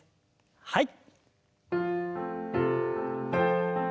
はい。